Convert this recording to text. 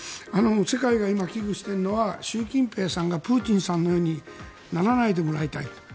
世界が今、危惧しているのは習近平さんがプーチンさんのようにならないでもらいたい。